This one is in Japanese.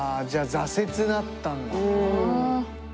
じゃあ挫折だったんだ。